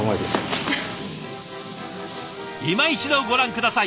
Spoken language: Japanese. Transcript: いま一度ご覧下さい。